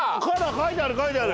書いてある書いてある。